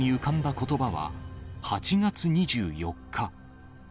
ことばは、８月２４日。